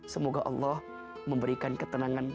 semoga allah memberikan ketenangan